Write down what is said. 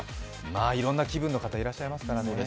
いろんな気分の方、いらっしゃいますからね。